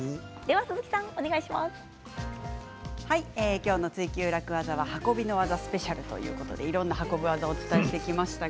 今日の「ツイＱ楽ワザ」は運びの技スペシャルということで、いろんな運ぶ技をお伝えしてきました。